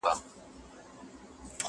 سل سهاره جاروم له دې ماښامه,